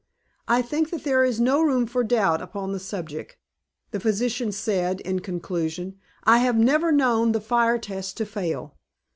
"I think that there is no room for doubt upon the subject," the physician said, in conclusion. "I have never known the fire test to fail."